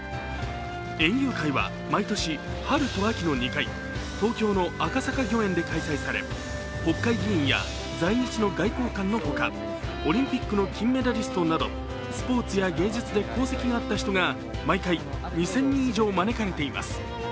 園遊会は毎年春と秋の２回、東京の赤坂御苑で開催され国会議員や在日の外交官のほか、オリンピックの金メダリストなどスポーツや芸術で功績があった人が毎回、２０００人以上招かれています。